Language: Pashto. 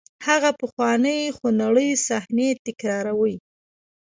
هغه پخوانۍ خونړۍ صحنې تکراروئ.